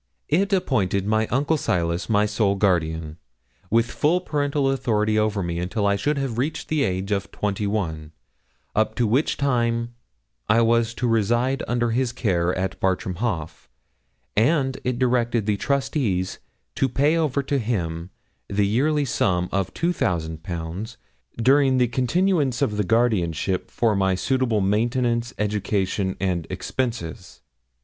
It appointed my uncle Silas my sole guardian, with full parental authority over me until I should have reached the age of twenty one, up to which time I was to reside under his care at Bartram Haugh, and it directed the trustees to pay over to him yearly a sum of 2,000_l_. during the continuance of the guardianship for my suitable maintenance, education, and expenses.